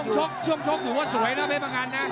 ช่วงชกช่วงชกถือว่าสวยนะเพชรพะงันนะ